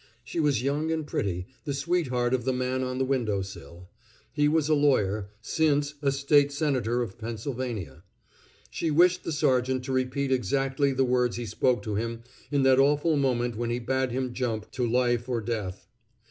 She was young and pretty, the sweetheart of the man on the window sill. He was a lawyer, since a State senator of Pennsylvania. She wished the sergeant to repeat exactly the words he spoke to him in that awful moment when he bade him jump to life or death.